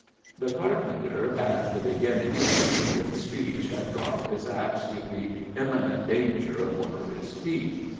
The carpenter, at the beginning of the Deacon's speech, had dropped his axe, to the imminent danger of one of his feet.